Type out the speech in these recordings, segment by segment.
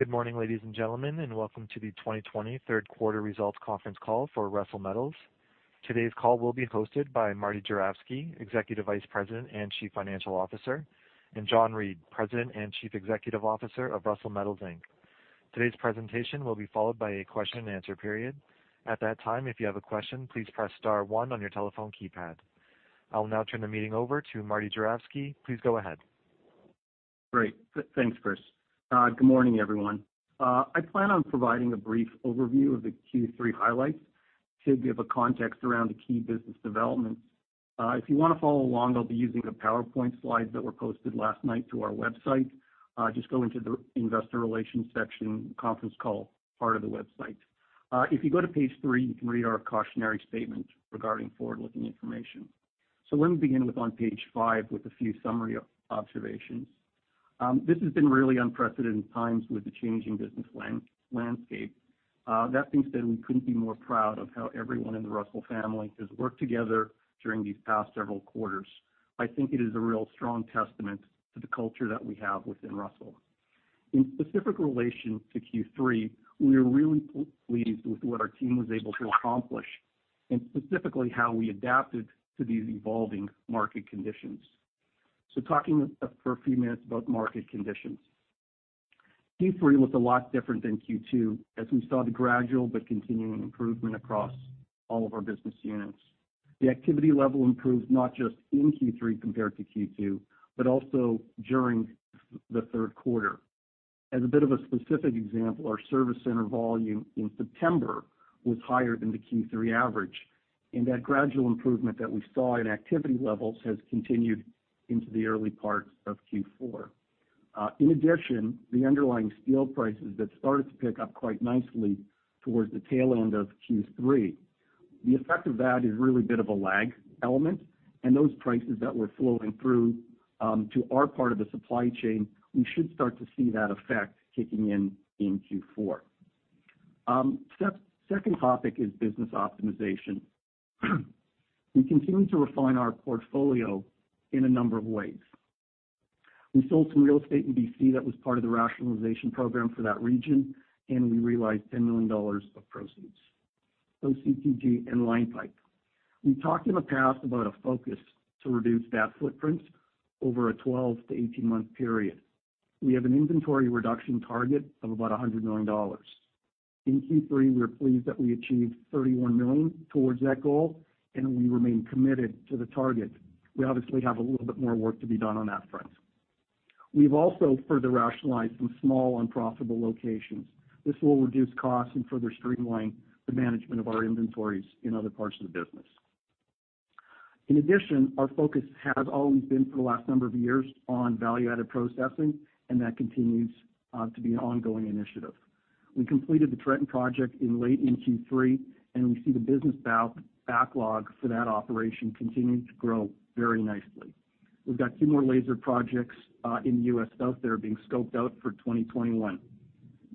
Good morning, ladies and gentlemen, and welcome to the 2020 Third Quarter Results Conference Call for Russel Metals. Today's call will be hosted by Martin Juravsky, Executive Vice President and Chief Financial Officer, and John Reid, President and Chief Executive Officer of Russel Metals Inc. I will now turn the meeting over to Martin Juravsky. Please go ahead. Great. Thanks, Chris. Good morning, everyone. I plan on providing a brief overview of the Q3 highlights to give a context around the key business developments. If you want to follow along, I'll be using the PowerPoint slides that were posted last night to our website. Just go into the investor relations section, conference call part of the website. If you go to page three, you can read our cautionary statement regarding forward-looking information. Let me begin with on page five with a few summary observations. This has been really unprecedented times with the changing business landscape. That being said, we couldn't be more proud of how everyone in the Russel family has worked together during these past several quarters. I think it is a real strong testament to the culture that we have within Russel. In specific relation to Q3, we are really pleased with what our team was able to accomplish, and specifically how we adapted to these evolving market conditions. Talking for a few minutes about market conditions. Q3 looked a lot different than Q2, as we saw the gradual but continuing improvement across all of our business units. The activity level improved not just in Q3 compared to Q2, but also during the third quarter. As a bit of a specific example, our service center volume in September was higher than the Q3 average. That gradual improvement that we saw in activity levels has continued into the early parts of Q4. In addition, the underlying steel prices that started to pick up quite nicely towards the tail end of Q3. The effect of that is really a bit of a lag element, and those prices that were flowing through to our part of the supply chain, we should start to see that effect kicking in Q4. Second topic is business optimization. We continue to refine our portfolio in a number of ways. We sold some real estate in BC that was part of the rationalization program for that region, and we realized 10 million dollars of proceeds, OCTG and line pipe. We talked in the past about a focus to reduce that footprint over a 12-18 month period. We have an inventory reduction target of about 100 million dollars. In Q3, we are pleased that we achieved 31 million towards that goal, and we remain committed to the target. We obviously have a little bit more work to be done on that front. We've also further rationalized some small, unprofitable locations. This will reduce costs and further streamline the management of our inventories in other parts of the business. In addition, our focus has always been, for the last number of years, on value-added processing. That continues to be an ongoing initiative. We completed the Trenton project in late in Q3. We see the business backlog for that operation continuing to grow very nicely. We've got two more laser projects in the U.S. out there being scoped out for 2021.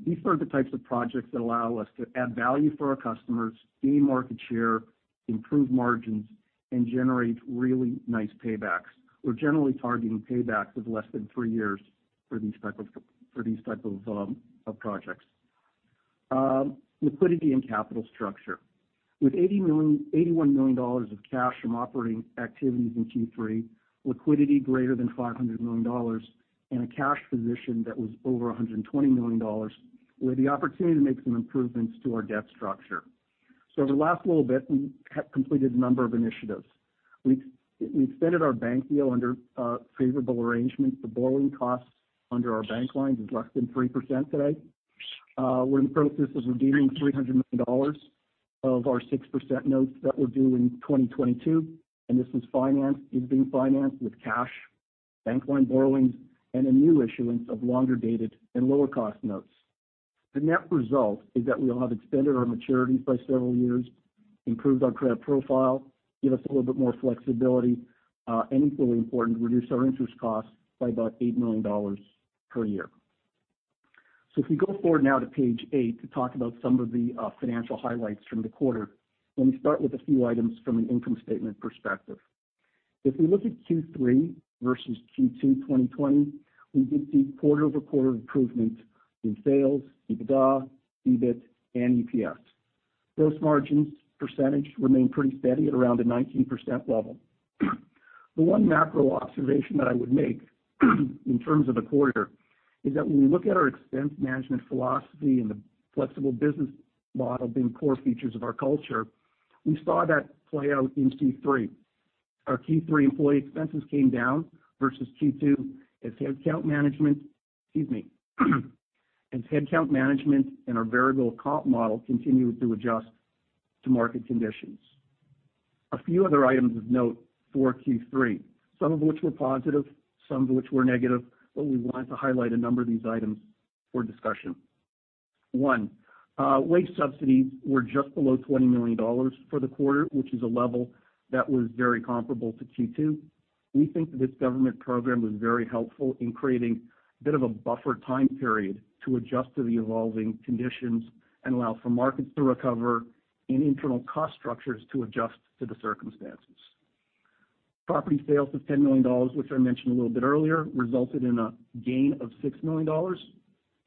These are the types of projects that allow us to add value for our customers, gain market share, improve margins, and generate really nice paybacks. We're generally targeting paybacks of less than three years for these types of projects. Liquidity and capital structure. With 81 million dollars of cash from operating activities in Q3, liquidity greater than 500 million dollars, and a cash position that was over 120 million dollars, we had the opportunity to make some improvements to our debt structure. Over the last little bit, we have completed a number of initiatives. We extended our bank deal under favorable arrangements. The borrowing costs under our bank lines is less than 3% today. We're in the process of redeeming 300 million dollars of our 6% notes that were due in 2022, and this is being financed with cash, bank line borrowings, and a new issuance of longer-dated and lower-cost notes. The net result is that we'll have extended our maturities by several years, improved our credit profile, give us a little bit more flexibility, and equally important, reduce our interest costs by about 8 million dollars per year. If we go forward now to page eight to talk about some of the financial highlights from the quarter, let me start with a few items from an income statement perspective. If we look at Q3 versus Q2 2020, we did see quarter-over-quarter improvement in sales, EBITDA, EBIT, and EPS. Gross margins percentage remain pretty steady at around a 19% level. The one macro observation that I would make in terms of the quarter is that when we look at our expense management philosophy and the flexible business model being core features of our culture, we saw that play out in Q3. Our Q3 employee expenses came down versus Q2 as headcount management and our variable comp model continued to adjust to market conditions. A few other items of note for Q3, some of which were positive, some of which were negative, but we wanted to highlight a number of these items for discussion. One, wage subsidies were just below 20 million dollars for the quarter, which is a level that was very comparable to Q2. We think that this government program was very helpful in creating a bit of a buffer time period to adjust to the evolving conditions and allow for markets to recover and internal cost structures to adjust to the circumstances. Property sales of 10 million dollars, which I mentioned a little bit earlier, resulted in a gain of 6 million dollars.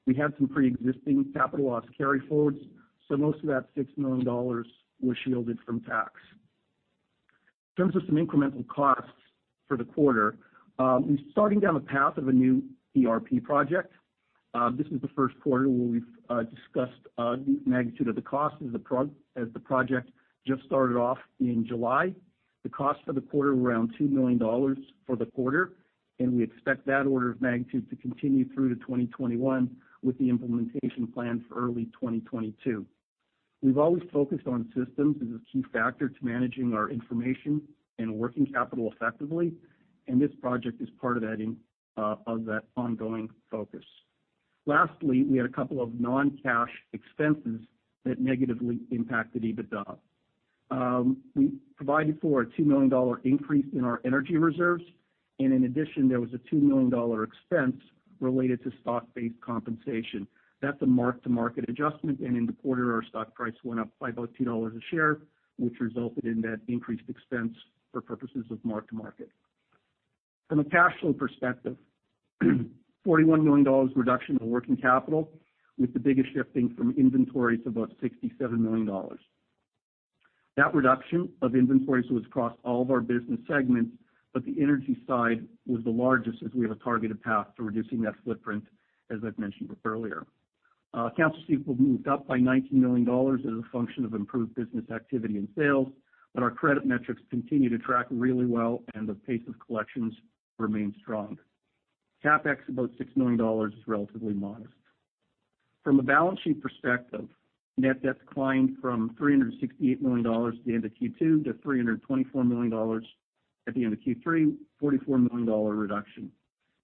We had some preexisting capital loss carry-forwards, most of that 6 million dollars was shielded from tax. In terms of some incremental costs for the quarter, we're starting down the path of a new ERP project. This is the first quarter where we've discussed the magnitude of the cost as the project just started off in July. The cost for the quarter, around 2 million dollars for the quarter, and we expect that order of magnitude to continue through to 2021 with the implementation plan for early 2022. We've always focused on systems as a key factor to managing our information and working capital effectively, and this project is part of that ongoing focus. Lastly, we had a couple of non-cash expenses that negatively impacted EBITDA. We provided for a 2 million dollar increase in our energy reserves, and in addition, there was a 2 million dollar expense related to stock-based compensation. That's a mark-to-market adjustment, and in the quarter, our stock price went up by about 2 dollars a share, which resulted in that increased expense for purposes of mark-to-market. From a cash flow perspective, 41 million dollars reduction in working capital, with the biggest shifting from inventory to about 67 million dollars. That reduction of inventories was across all of our business segments, but the energy side was the largest as we have a targeted path to reducing that footprint, as I've mentioned earlier. Accounts receivable moved up by 19 million dollars as a function of improved business activity and sales, but our credit metrics continue to track really well, and the pace of collections remains strong. CapEx, about 6 million dollars, is relatively modest. From a balance sheet perspective, net debt declined from 368 million dollars at the end of Q2 to 324 million dollars at the end of Q3, a 44 million dollars reduction.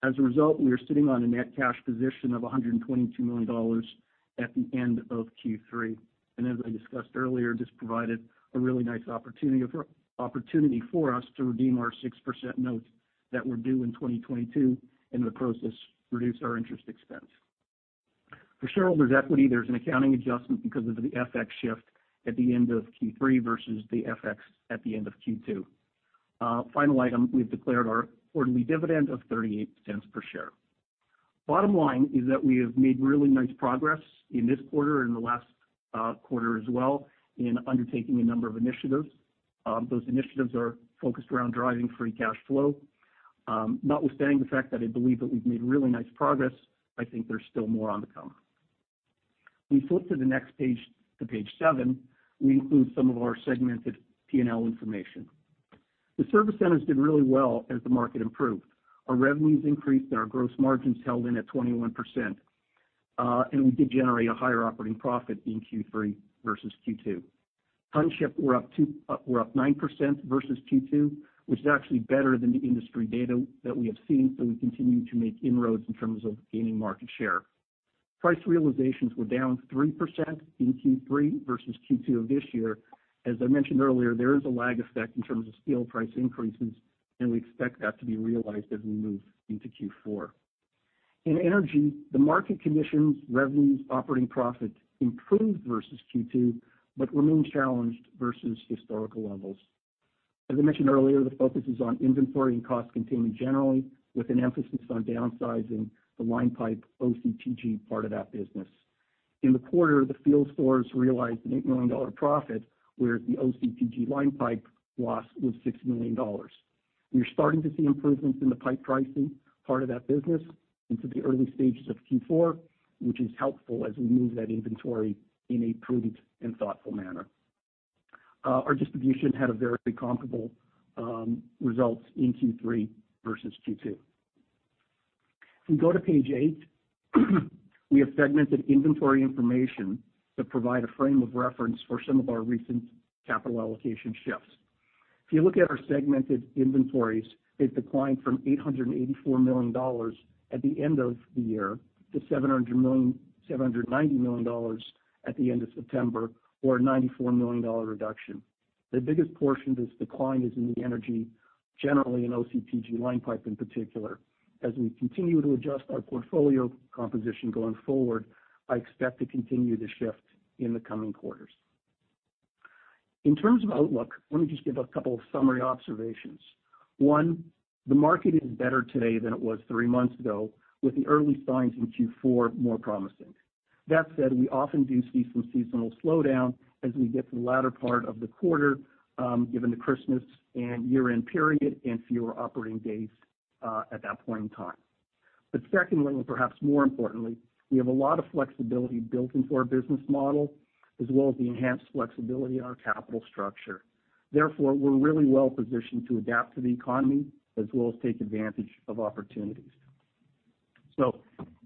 As a result, we are sitting on a net cash position of 122 million dollars at the end of Q3. As I discussed earlier, this provided a really nice opportunity for us to redeem our 6% notes that were due in 2022, and in the process, reduce our interest expense. For shareholders' equity, there's an accounting adjustment because of the FX shift at the end of Q3 versus the FX at the end of Q2. Final item, we've declared our quarterly dividend of 0.38 per share. Bottom line is that we have made really nice progress in this quarter and the last quarter as well in undertaking a number of initiatives. Those initiatives are focused around driving free cash flow. Notwithstanding the fact that I believe that we've made really nice progress, I think there's still more on the come. We flip to the next page, to page seven, we include some of our segmented P&L information. The service centers did really well as the market improved. Our revenues increased, and our gross margins held in at 21%, and we did generate a higher operating profit in Q3 versus Q2. Ton ship, we're up 9% versus Q2, which is actually better than the industry data that we have seen, so we continue to make inroads in terms of gaining market share. Price realizations were down 3% in Q3 versus Q2 of this year. As I mentioned earlier, there is a lag effect in terms of steel price increases, and we expect that to be realized as we move into Q4. In energy, the market conditions, revenues, operating profit improved versus Q2, but remain challenged versus historical levels. As I mentioned earlier, the focus is on inventory and cost containment generally, with an emphasis on downsizing the line pipe OCTG part of that business. In the quarter, the field stores realized an 8 million dollar profit, whereas the OCTG line pipe loss was 6 million dollars. We are starting to see improvements in the pipe pricing part of that business into the early stages of Q4, which is helpful as we move that inventory in a prudent and thoughtful manner. Our distribution had very comparable results in Q3 versus Q2. If we go to page eight, we have segmented inventory information to provide a frame of reference for some of our recent capital allocation shifts. If you look at our segmented inventories, they've declined from 884 million dollars at the end of the year to 790 million dollars at the end of September or a 94 million dollar reduction. The biggest portion of this decline is in the energy, generally in OCTG line pipe in particular. As we continue to adjust our portfolio composition going forward, I expect to continue the shift in the coming quarters. In terms of outlook, let me just give a couple of summary observations. One, the market is better today than it was three months ago, with the early signs in Q4 more promising. That said, we often do see some seasonal slowdown as we get to the latter part of the quarter, given the Christmas and year-end period and fewer operating days at that point in time. Secondly, and perhaps more importantly, we have a lot of flexibility built into our business model, as well as the enhanced flexibility in our capital structure. Therefore, we're really well-positioned to adapt to the economy as well as take advantage of opportunities.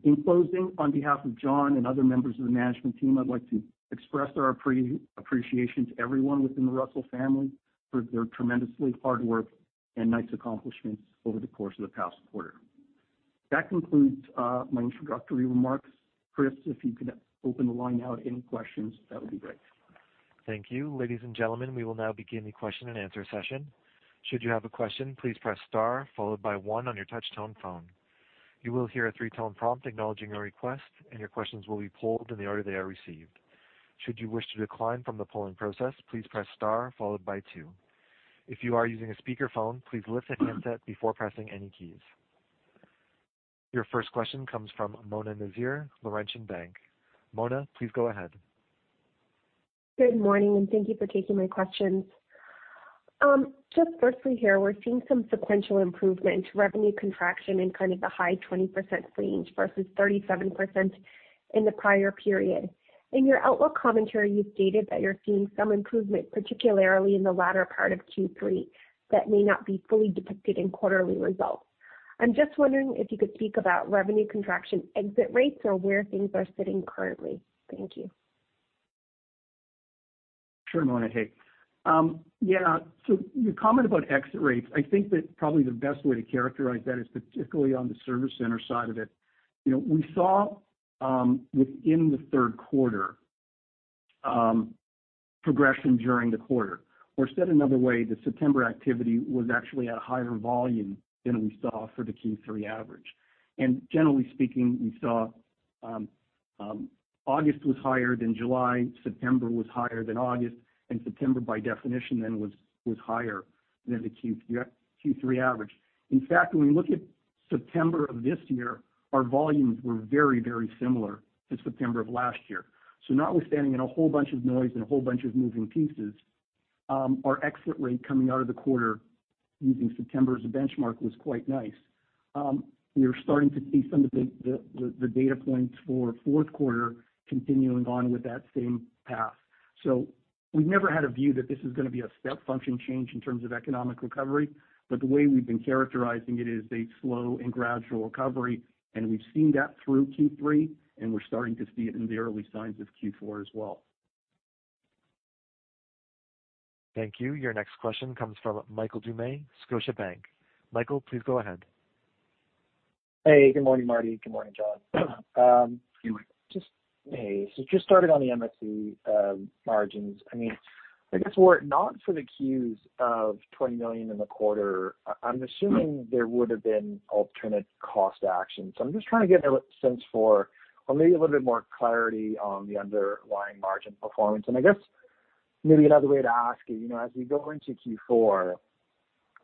In closing, on behalf of John and other members of the management team, I'd like to express our appreciation to everyone within the Russel family for their tremendously hard work and nice accomplishments over the course of the past quarter. That concludes my introductory remarks. Chris, if you can open the line now to any questions, that would be great. Thank you. Ladies and gentlemen, we will now begin the question-and-answer session. Should you have a question, please press star followed by one on your touchtone phone. You will hear a three-tone prompt acknowledging your request and your questions will be pulled in the order they are received. Should you wish to decline from the pulling process, please press star followed by two. If you are using a speaker phone, please lift your handset before pressing any key. Your first question comes from Mona Nazir, Laurentian Bank. Mona, please go ahead. Good morning, and thank you for taking my questions. Just firstly here, we're seeing some sequential improvement revenue contraction in kind of the high 20% range versus 37% in the prior period. In your outlook commentary, you've stated that you're seeing some improvement, particularly in the latter part of Q3, that may not be fully depicted in quarterly results. I'm just wondering if you could speak about revenue contraction exit rates or where things are sitting currently. Thank you. Sure, Mona. Hey. Yeah. Your comment about exit rates, I think that probably the best way to characterize that is particularly on the service center side of it. We saw, within the third quarter, progression during the quarter. Said another way, the September activity was actually at a higher volume than we saw for the Q3 average. Generally speaking, we saw August was higher than July, September was higher than August, and September, by definition, then was higher than the Q3 average. In fact, when we look at September of this year, our volumes were very similar to September of last year. Notwithstanding in a whole bunch of noise and a whole bunch of moving pieces, our exit rate coming out of the quarter using September as a benchmark was quite nice. We are starting to see some of the data points for fourth quarter continuing on with that same path. We've never had a view that this is going to be a step function change in terms of economic recovery, but the way we've been characterizing it is a slow and gradual recovery, and we've seen that through Q3, and we're starting to see it in the early signs of Q4 as well. Thank you. Your next question comes from Michael Doumet, Scotiabank. Michael, please go ahead. Hey, good morning, Marty. Good morning, John. Hey, Mike. Hey. Just started on the MSC margins. I guess were it not for the CEWS of 20 million in the quarter, I'm assuming there would have been alternate cost action. I'm just trying to get a sense for or maybe a little bit more clarity on the underlying margin performance. I guess maybe another way to ask is, as we go into Q4,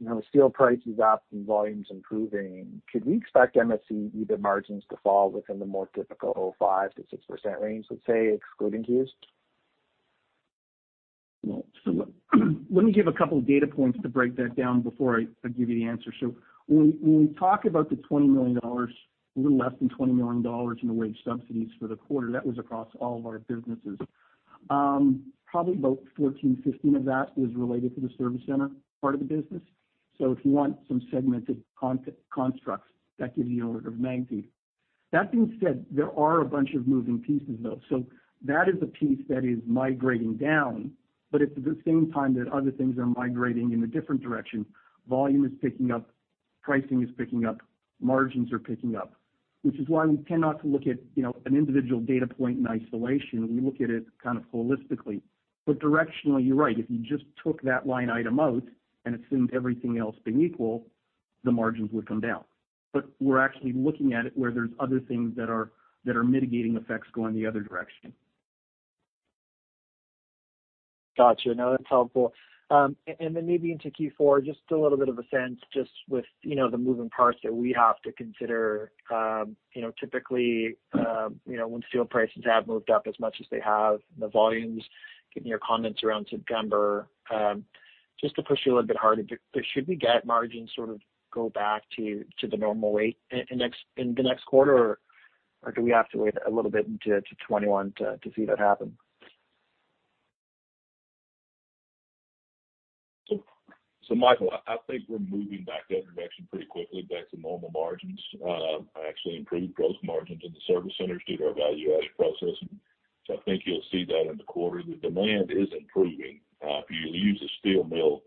with steel prices up and volumes improving, could we expect MSC EBIT margins to fall within the more typical 5%-6% range, let's say, excluding CEWS? Let me give a couple of data points to break that down before I give you the answer. When we talk about the little less than 20 million dollars in the wage subsidies for the quarter, that was across all of our businesses. Probably about 14 million-15 million of that is related to the service center part of the business. If you want some segmented constructs, that gives you an order of magnitude. That being said, there are a bunch of moving pieces, though. That is a piece that is migrating down, but it's at the same time that other things are migrating in a different direction. Volume is picking up, pricing is picking up, margins are picking up, which is why we tend not to look at an individual data point in isolation. We look at it kind of holistically. Directionally, you're right. If you just took that line item out and assumed everything else being equal, the margins would come down. We're actually looking at it where there's other things that are mitigating effects going the other direction. Got you. No, that's helpful. Then maybe into Q4, just a little bit of a sense just with the moving parts that we have to consider. Typically, when steel prices have moved up as much as they have, the volumes, given your comments around September, just to push you a little bit harder, should we get margins sort of go back to the normal weight in the next quarter, or do we have to wait a little bit into 2021 to see that happen? Michael, I think we're moving back that direction pretty quickly back to normal margins, actually improved gross margins in the service centers due to our value-add process. I think you'll see that in the quarter. The demand is improving. If you use a steel mill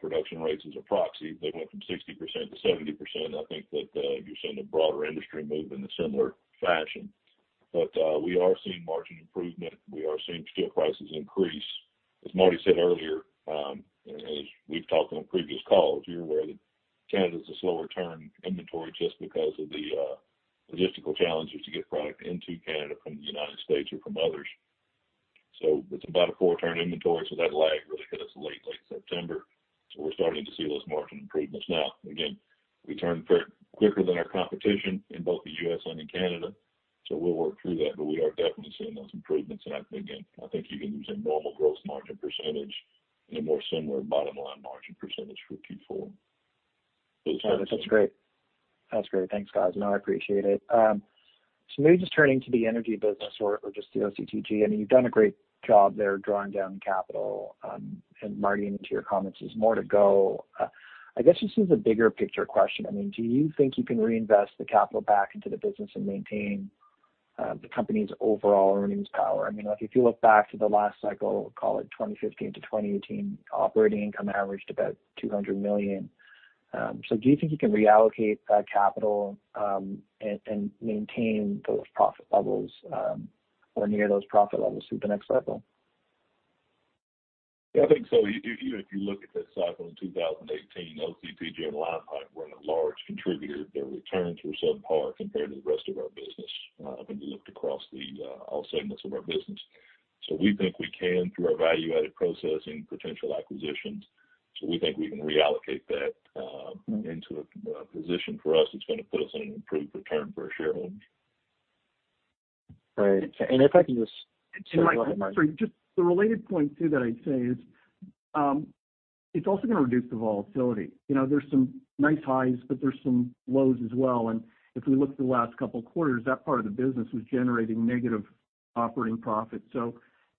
production rate as a proxy, they went from 60%-70%. I think that you're seeing the broader industry move in a similar fashion. We are seeing margin improvement. We are seeing steel prices increase. As Marty said earlier, as we've talked on previous calls, you're aware that Canada's a slower turn inventory just because of the logistical challenges to get product into Canada from the United States or from others. It's about a four-turn inventory, so that lag really hit us late September. We're starting to see those margin improvements now. Again, we turn quicker than our competition in both the U.S. and in Canada. We'll work through that, but we are definitely seeing those improvements. I think you can use a normal gross margin % and a more similar bottom-line margin percentage for Q4. That's great. Thanks, guys. No, I appreciate it. Maybe just turning to the energy business or just the OCTG. You've done a great job there drawing down capital. Martin, and to your comments, there's more to go. I guess this is a bigger picture question. Do you think you can reinvest the capital back into the business and maintain the company's overall earnings power? If you look back to the last cycle, call it 2015-2018, operating income averaged about 200 million. Do you think you can reallocate that capital and maintain those profit levels or near those profit levels through the next cycle? Yeah, I think so. If you look at that cycle in 2018, OCTG and line pipe were a large contributor. Their returns were subpar compared to the rest of our business when we looked across all segments of our business. We think we can, through our value-added processing potential acquisitions, we think we can reallocate that into a position for us that's going to put us in an improved return for our shareholders. Right. And if I can just-- Go ahead, Mike. Sorry, just the related point, too, that I'd say is, it's also going to reduce the volatility. There's some nice highs, but there's some lows as well. If we look at the last couple of quarters, that part of the business was generating negative operating profits.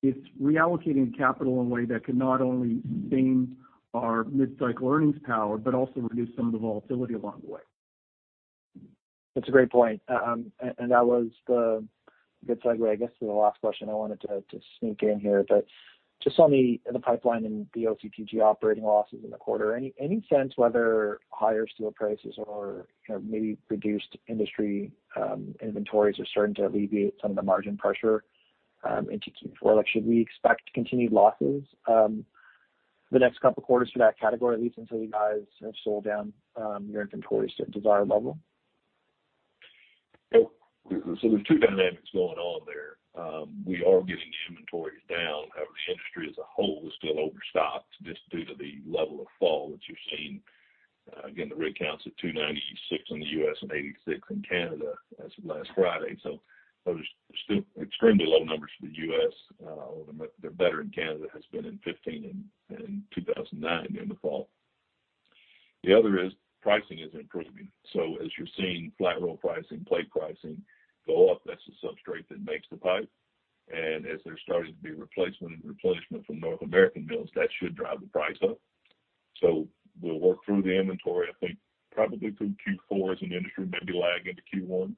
It's reallocating capital in a way that can not only sustain our mid-cycle earnings power, but also reduce some of the volatility along the way. That's a great point. That was the good segue, I guess, to the last question I wanted to sneak in here. Just on the pipeline and the OCTG operating losses in the quarter, any sense whether higher steel prices or maybe reduced industry inventories are starting to alleviate some of the margin pressure into Q4? Should we expect continued losses the next couple of quarters for that category, at least until you guys have sold down your inventories to a desired level? There's two dynamics going on there. We are getting inventories down. However, the industry as a whole is still overstocked just due to the level of fall that you're seeing. Again, the rig counts at 296 in the U.S. and 86 in Canada as of last Friday. Those are still extremely low numbers for the U.S., although they're better in Canada than it's been in 2015 and 2009 during the fall. The other is pricing is improving. As you're seeing flat-rolled pricing, plate pricing go up, that's the substrate that makes the pipe. As there's starting to be replacement and replenishment from North American mills, that should drive the price up. We'll work through the inventory, I think, probably through Q4 as an industry, maybe lag into Q1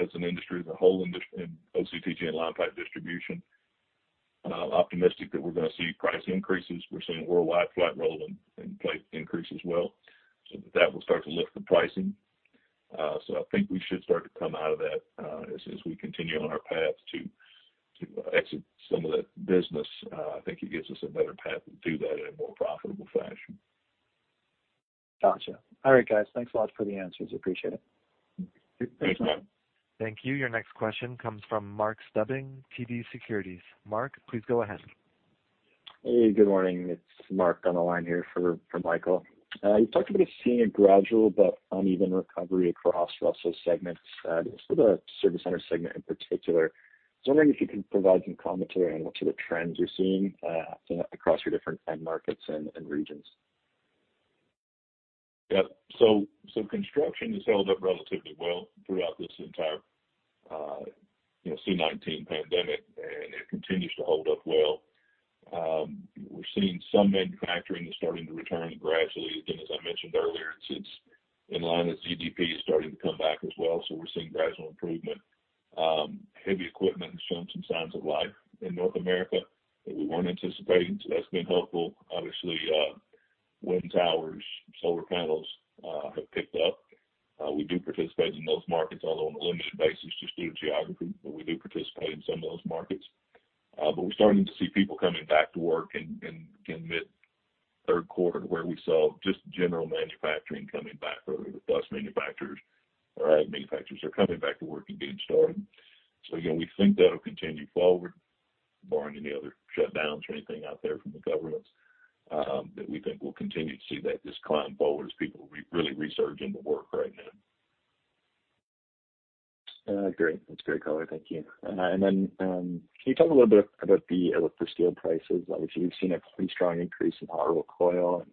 as an industry as a whole in OCTG and line pipe distribution. I'm optimistic that we're going to see price increases. We're seeing worldwide flat-rolled and plate increase as well. That will start to lift the pricing. I think we should start to come out of that as we continue on our path to exit some of that business. I think it gives us a better path to do that in a more profitable fashion. Got you. All right, guys. Thanks a lot for the answers. Appreciate it. Thanks, Mike. Thank you. Your next question comes from Mark Stuebing, TD Securities. Mark, please go ahead. Hey, good morning. It's Mark on the line here for Michael. You talked about seeing a gradual but uneven recovery across Russel's segments. Just for the service center segment in particular, just wondering if you can provide some commentary on what sort of trends you're seeing across your different end markets and regions. Yep. Construction has held up relatively well throughout this entire COVID-19 pandemic, and it continues to hold up well. We're seeing some manufacturing is starting to return gradually. Again, as I mentioned earlier, it's in line with GDP starting to come back as well. We're seeing gradual improvement. Heavy equipment has shown some signs of life in North America that we weren't anticipating, so that's been helpful. Obviously, wind towers, solar panels have picked up. We do participate in those markets, although on a limited basis just due to geography, but we do participate in some of those markets. We're starting to see people coming back to work in mid-third quarter, where we saw just general manufacturing coming back. Bus manufacturers are coming back to work and getting started. Again, we think that'll continue forward barring any other shutdowns or anything out there from the government, that we think we'll continue to see that just climb forward as people really resurge into work right now. Great. That's great color. Thank you. Can you talk a little bit about the electric steel prices? Obviously, we've seen a pretty strong increase in hot rolled coil, and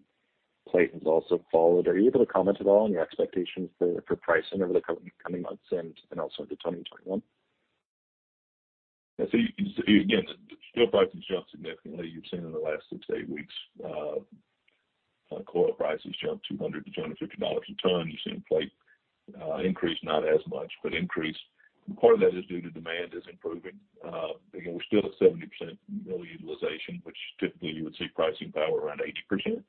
plate has also followed. Are you able to comment at all on your expectations for pricing over the coming months and also into 2021? Again, the steel prices jumped significantly. You've seen in the last six to eight weeks coil prices jump 200-250 dollars a ton. You've seen plate increase, not as much, but increase. Part of that is due to demand is improving. Again, we're still at 70% mill utilization, which typically you would see pricing power around 80%.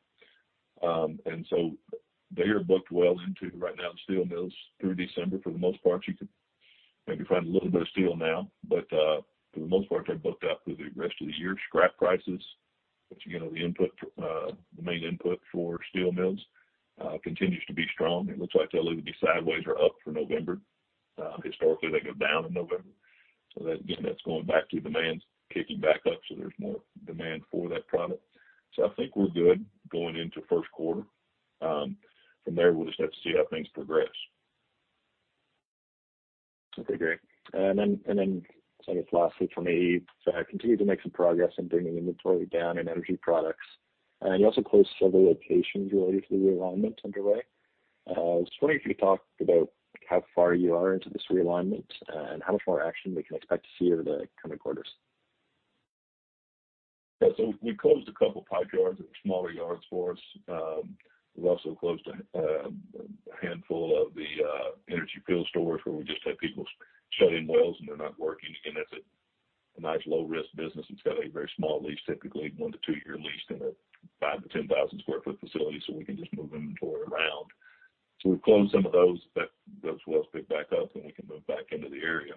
They are booked well into right now, the steel mills, through December. For the most part, you could maybe find a little bit of steel now, but for the most part, they're booked up through the rest of the year. Scrap prices, which again, are the main input for steel mills, continues to be strong. It looks like they'll either be sideways or up for November. Historically, they go down in November. Again, that's going back to demand kicking back up, so there's more demand for that product. I think we're good going into first quarter. From there, we'll just have to see how things progress. Okay, great. I guess lastly from me, you continue to make some progress in bringing inventory down in energy products. You also closed several locations related to the realignment underway. I was wondering if you could talk about how far you are into this realignment and how much more action we can expect to see over the coming quarters. Yeah. We closed two pipe yards that were smaller yards for us. We also closed a handful of the energy field stores where we just had people shut-in wells and they're not working. Again, that's a nice low-risk business. It's got a very small lease, typically one to two-year lease in a 5,000-10,000 sq ft facility, so we can just move inventory around. We've closed some of those, but those wells pick back up, and we can move back into the area.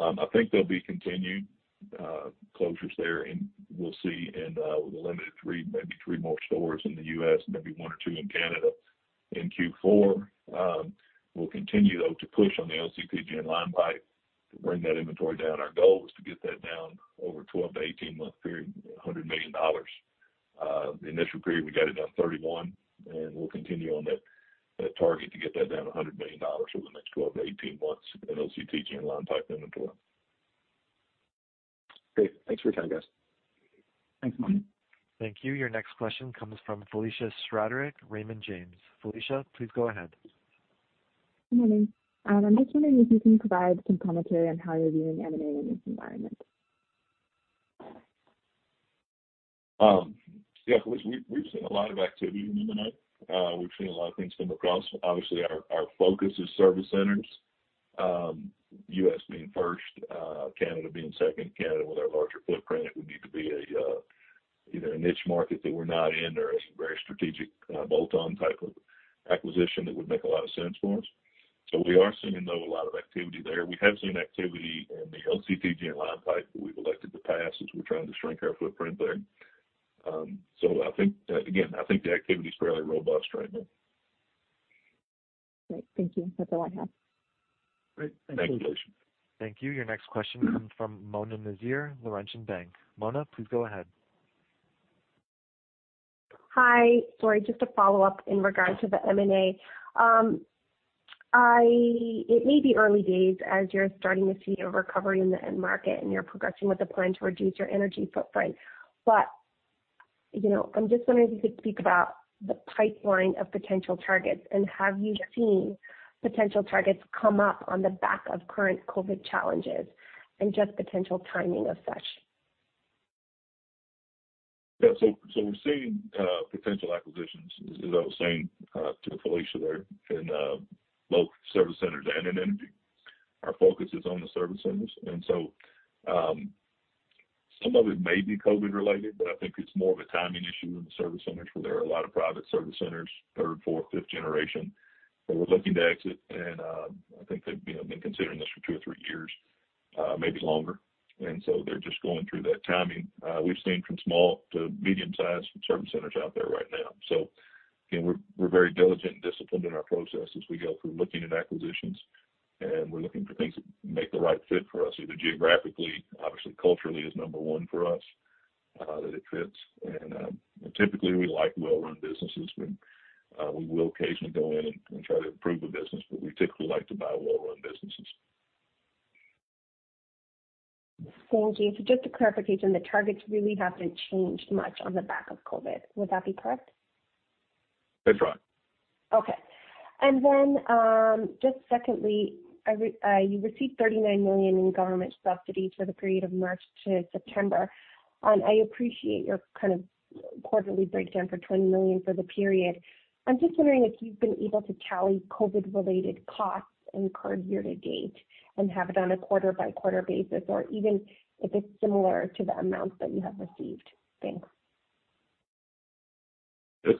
I think there'll be continued closures there, and we'll see in the limited three, maybe three more stores in the U.S., maybe one or two in Canada in Q4. We'll continue, though, to push on the OCTG and line pipe to bring that inventory down. Our goal is to get that down over 12-18 month period, 100 million dollars. Initial period, we got it down 31 million, and we'll continue on that target to get that down 100 million dollars over the next 12-18 months in OCTG line pipe inventory. Great. Thanks for your time, guys. Thanks, Martin. Thank you. Your next question comes from Felicia [Struther] at Raymond James. Felicia, please go ahead. Good morning. I'm just wondering if you can provide some commentary on how you're viewing M&A in this environment? Yeah, we've seen a lot of activity in M&A. We've seen a lot of things come across. Obviously, our focus is service centers, U.S. being first, Canada being second. Canada, with our larger footprint, it would need to be either a niche market that we're not in or a very strategic bolt-on type of acquisition that would make a lot of sense for us. We are seeing, though, a lot of activity there. We have seen activity in the OCTG and line pipe that we've elected to pass as we're trying to shrink our footprint there. Again, I think the activity is fairly robust right now. Great. Thank you. That's all I have. Great. Thanks, Felicia. Thank you. Your next question comes from Mona Nazir, Laurentian Bank. Mona, please go ahead. Hi. Sorry, just a follow-up in regards to the M&A. It may be early days as you're starting to see a recovery in the end market, and you're progressing with a plan to reduce your energy footprint. I'm just wondering if you could speak about the pipeline of potential targets, and have you seen potential targets come up on the back of current COVID-19 challenges, and just potential timing of such? Yeah. We're seeing potential acquisitions, as I was saying to Felicia there, in both service centers and in energy. Our focus is on the service centers. Some of it may be COVID-related, but I think it's more of a timing issue in the service centers, where there are a lot of private service centers, third, fourth, fifth generation, that were looking to exit. I think they've been considering this for two or three years, maybe longer. They're just going through that timing. We've seen from small to medium-sized service centers out there right now. Again, we're very diligent and disciplined in our process as we go through looking at acquisitions, and we're looking for things that make the right fit for us, either geographically, obviously, culturally is number one for us, that it fits. Typically, we like well-run businesses, but we will occasionally go in and try to improve a business, but we typically like to buy well-run businesses. Thank you. Just a clarification, the targets really haven't changed much on the back of COVID. Would that be correct? That's right. Okay. Just secondly, you received 39 million in government subsidies for the period of March-September. I appreciate your kind of quarterly breakdown for 20 million for the period. I'm just wondering if you've been able to tally COVID-19-related costs incurred year-to-date and have it on a quarter-by-quarter basis or even if it's similar to the amounts that you have received. Thanks. Yeah,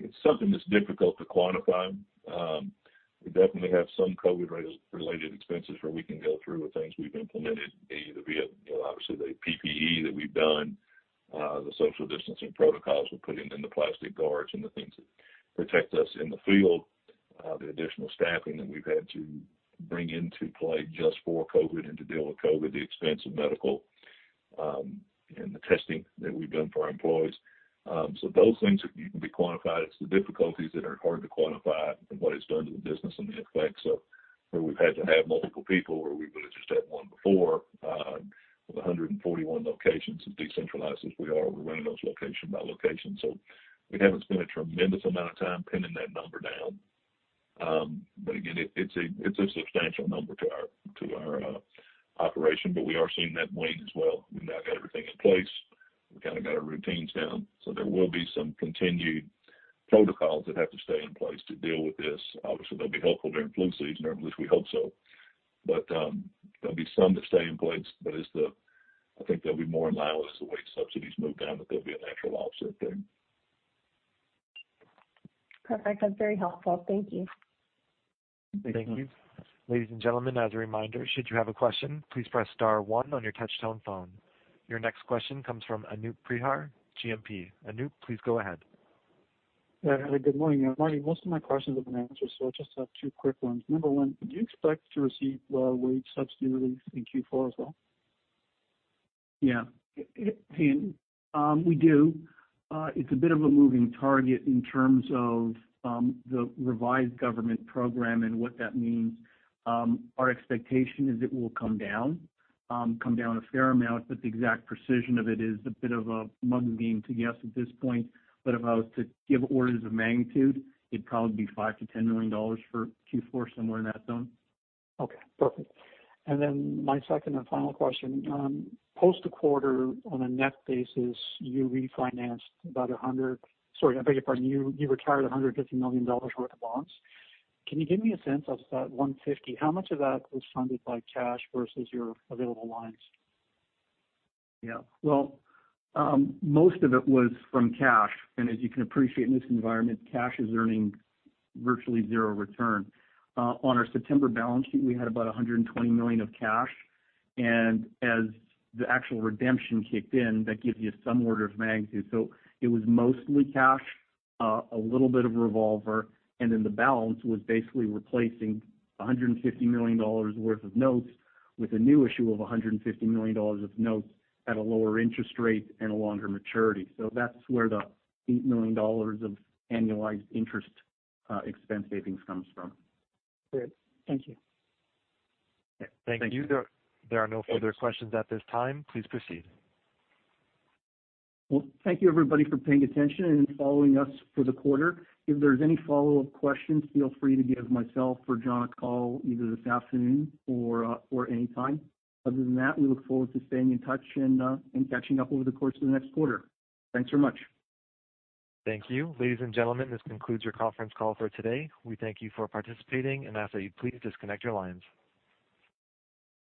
it's something that's difficult to quantify. We definitely have some COVID-related expenses where we can go through with things we've implemented, either via, obviously, the PPE that we've done, the social distancing protocols we've put in, and the plastic guards and the things that protect us in the field, the additional staffing that we've had to bring into play just for COVID and to deal with COVID, the expense of medical, and the testing that we've done for our employees. Those things can be quantified. It's the difficulties that are hard to quantify and what it's done to the business and the effects of where we've had to have multiple people where we would've just had one before. With 141 locations, as decentralized as we are, we're running those location by location. We haven't spent a tremendous amount of time pinning that number down. Again, it's a substantial number to our operation, but we are seeing that wane as well. We've now got everything in place. We've kind of got our routines down. There will be some continued protocols that have to stay in place to deal with this. Obviously, they'll be helpful during flu season, or at least we hope so. There will be some that stay in place, but I think they'll be more mild as the wage subsidies move down, but there will be a natural offset there. Perfect. That's very helpful. Thank you. Thank you. Thank you. Ladies and gentlemen, as a reminder, should you have a question, please press star one on your touch-tone phone. Your next question comes from Anoop Prihar, GMP. Anoop, please go ahead. Yeah. Good morning. Marty, most of my questions have been answered. I just have two quick ones. Number one, do you expect to receive wage subsidy relief in Q4 as well? Yeah. We do. It's a bit of a moving target in terms of the revised government program and what that means. Our expectation is it will come down a fair amount, but the exact precision of it is a bit of a mug's game to guess at this point. If I was to give orders of magnitude, it'd probably be 5 million-10 million dollars for Q4, somewhere in that zone. Okay, perfect. My second and final question. Post a quarter, on a net basis, you retired 150 million dollars worth of bonds. Can you give me a sense of that 150 million, how much of that was funded by cash versus your available lines? Yeah. Well, most of it was from cash. As you can appreciate in this environment, cash is earning virtually zero return. On our September balance sheet, we had about 120 million of cash, and as the actual redemption kicked in, that gives you some order of magnitude. It was mostly cash, a little bit of revolver, and then the balance was basically replacing 150 million dollars worth of notes with a new issue of 150 million dollars of notes at a lower interest rate and a longer maturity. That's where the 8 million dollars of annualized interest expense savings comes from. Great. Thank you. Yeah. Thank you. Thank you. There are no further questions at this time. Please proceed. Well, thank you, everybody, for paying attention and following us for the quarter. If there's any follow-up questions, feel free to give myself or John a call either this afternoon or anytime. Other than that, we look forward to staying in touch and catching up over the course of the next quarter. Thanks very much. Thank you. Ladies and gentlemen, this concludes your conference call for today. We thank you for participating and ask that you please disconnect your lines.